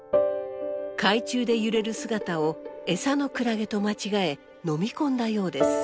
海中で揺れる姿をエサのクラゲと間違え飲み込んだようです。